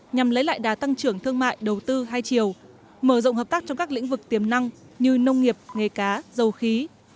nhằm lấy lại đá tăng trưởng thương mại đầu tư hai chiều mở rộng hợp tác trong các lĩnh vực tiềm năng như nông nghiệp nghề cá dầu khí